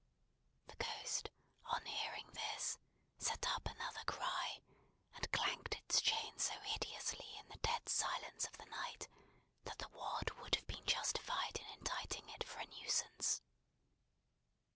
The Ghost, on hearing this, set up another cry, and clanked its chain so hideously in the dead silence of the night, that the Ward would have been justified in indicting it for a nuisance.